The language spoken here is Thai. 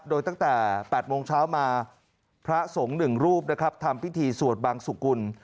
โดยตั้งแต่๘โมงเช้ามาพระสงฆ์๑รูปนะครับทำพิธีสวดบังสุกุล